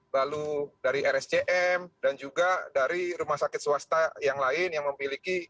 lalu dari rscm dan juga dari rumah sakit swasta yang lain yang memiliki